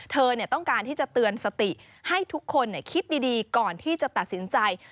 เธอต้องการที่จะเตือนสติให้ทุกคนคิดดีก่อนที่จะตัดสินใจ